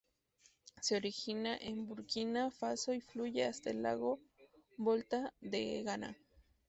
Se origina en Burkina Faso y fluye hasta el Lago Volta en Ghana.